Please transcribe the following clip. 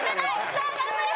さあ頑張れ！